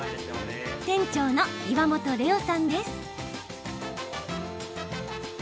店長の岩本怜王さんです。